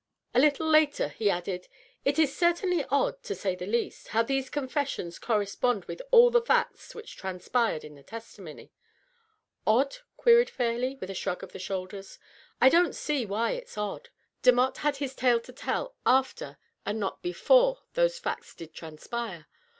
A little later he added, " It is cer tainly odd, to say the least, how these confessions correspond with all the facts which transpired in the testimony." " Odd ?" queried Fairleigh, with a shrug of the shoulders. " I don't see why it's odd. Demotte had his tale to tell after and not before those facts did transpire.